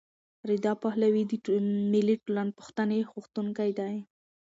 رضا پهلوي د ملي ټولپوښتنې غوښتونکی دی.